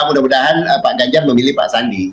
mudah mudahan pak ganjar memilih pak sandi